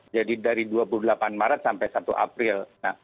jadi dari dua puluh delapan maret sampai satu april